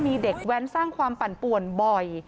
มีเด็กแว้นสร้างความปั่นป่วนบ่อย